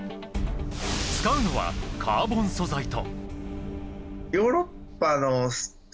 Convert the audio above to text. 使うのは、カーボン素材と。